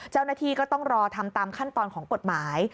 เจ้าหน้าที่ก็ต้องรอทำตามขั้นตอนของกฎหมาย